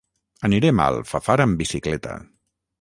Anirem a Alfafar amb bicicleta.